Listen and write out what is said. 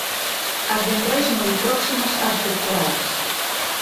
As ventrais moi próximas ás pectorais.